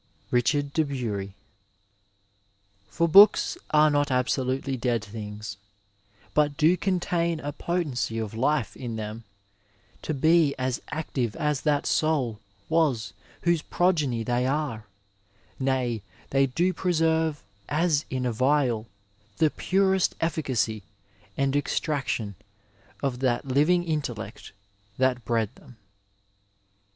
Ibid. p. 113. For Books are not absolutely dead things, but do contain a potency of life in them to be as active as that soul was whose progeny they are ; nay, they do preserve as in a vial the purest efficacy and extraction of that living inteUect that bred them.